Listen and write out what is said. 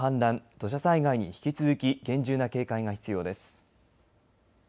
土砂災害に引き続き厳重な警戒が必要です。